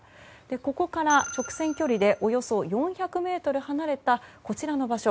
ここから直線距離でおよそ４００ｍ離れたこちらの場所